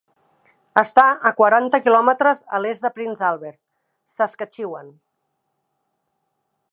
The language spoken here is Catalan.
Està a quaranta kilòmetres a l'est de Prince Albert, Saskatchewan.